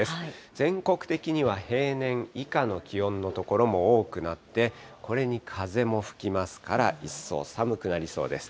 全国的には平年以下の気温の所も多くなって、これに風も吹きますから、一層寒くなりそうです。